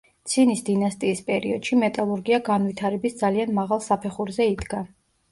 ცინის დინასტიის პერიოდში მეტალურგია განვითარების ძალიან მაღალ საფეხურზე იდგა.